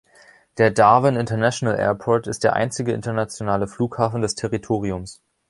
Der Darwin International Airport ist der einzige internationale Flughafen des Territoriums.